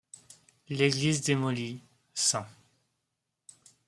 L'église démolie, St.